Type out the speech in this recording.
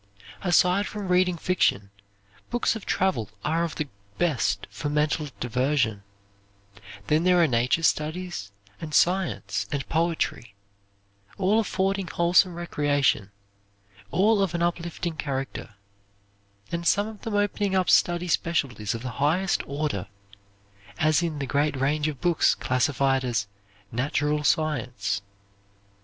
Aside from reading fiction, books of travel are of the best for mental diversion; then there are Nature Studies, and Science and Poetry, all affording wholesome recreation, all of an uplifting character, and some of them opening up study specialties of the highest order, as in the great range of books classified as Natural Science.